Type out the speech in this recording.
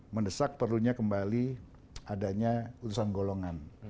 mendesak perlunya kembali adanya utusan golongan